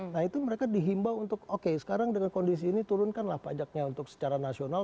nah itu mereka dihimbau untuk oke sekarang dengan kondisi ini turunkanlah pajaknya untuk secara nasional